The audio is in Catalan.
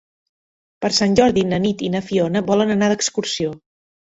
Per Sant Jordi na Nit i na Fiona volen anar d'excursió.